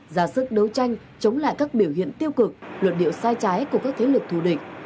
giả sức đấu tranh chống lại các biểu hiện tiêu cực luật điệu sai trái của các thế lực thù địch